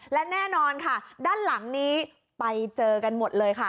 และแน่นอนค่ะด้านหลังนี้ไปเจอกันหมดเลยค่ะ